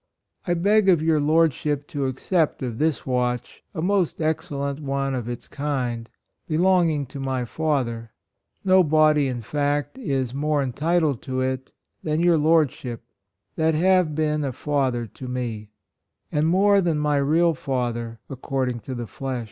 I beg of your Lord ship to accept of this watch, a most excellent one of its kind, belonging to my father ; no body in fact is more entitled to it than your Lord ship, that have been a father to me, and more than my real father, ac cording to the flesh."